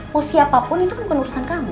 mau siapapun itu kan bukan urusan kamu